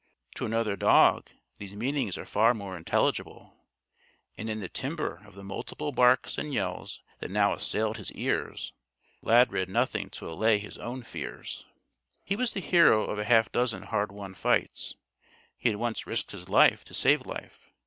To another dog these meanings are far more intelligible. And in the timbre of the multiple barks and yells that now assailed his ears, Lad read nothing to allay his own fears. He was the hero of a half dozen hard won fights. He had once risked his life to save life.